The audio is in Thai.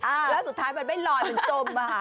แล้วสุดท้ายมันไม่ลอยมันจมอ่ะค่ะ